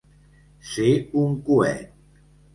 Ser un coet.